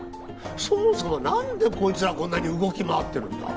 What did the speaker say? そもそも何でこいつらこんなに動き回ってるんだ？